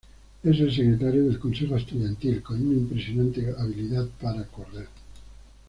Es el secretario del consejo estudiantil, con una impresionante habilidad para correr.